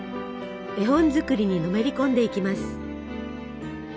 絵本作りにのめり込んでいきます。